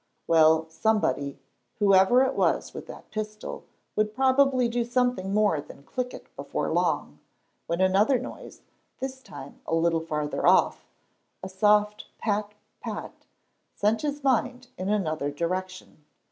Well, somebody, whoever it was with that pistol, would probably do something more than click it before long, when another noise, this time a little farther off, a soft, pat pat, sent his mind in another direction.